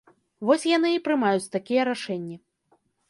Вось яны і прымаюць такія рашэнні.